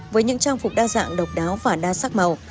với những trang phục đa dạng độc đáo và đa sắc màu